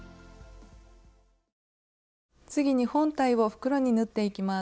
次に本体を袋に縫っていきます。